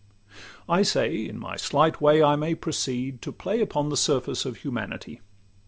I say, in my slight way I may proceed To play upon the surface of humanity.